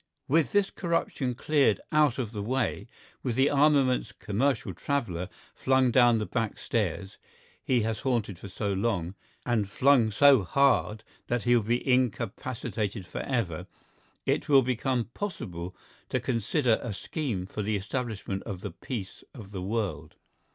With this corruption cleared out of the way, with the armaments commercial traveller flung down the back stairs he has haunted for so long—and flung so hard that he will be incapacitated for ever—it will become possible to consider a scheme for the establishment of the peace of the world.